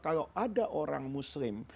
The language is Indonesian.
kalau ada orang muslim